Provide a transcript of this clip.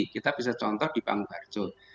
kita bisa contoh di bangu barco